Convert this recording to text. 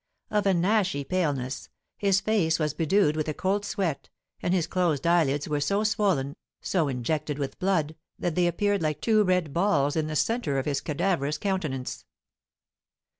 Of an ashy paleness, his face was bedewed with a cold sweat, and his closed eyelids were so swollen, so injected with blood, that they appeared like two red balls in the centre of his cadaverous countenance.